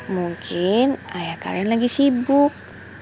mungkin ayah kalian lagi sibuk